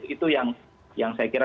itu yang saya kira